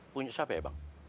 punya siapa ya bang